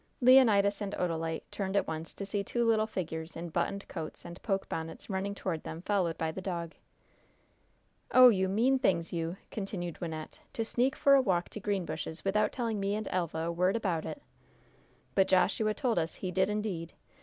Leonidas and Odalite turned at once to see two little figures in buttoned coats and poke bonnets running toward them, followed by the dog. "Oh, you mean things, you!" continued Wynnette, "to sneak for a walk to Greenbushes, without telling me and Elva a word about it!" "But Joshua told us he did, indeed!